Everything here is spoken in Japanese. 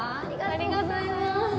ありがとうございます